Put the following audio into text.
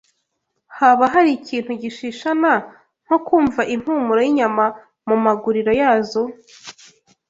Haba har’ikintu gishishana nko kumva impumuro y’inyama mu maguriro yazo?